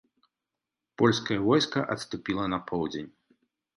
Польскае войска адступіла на поўдзень.